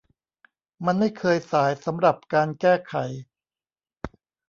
มันไม่เคยสายสำหรับการแก้ไข